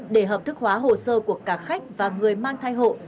để hợp thức hóa hồ sơ của cả khách và người mang thai hộ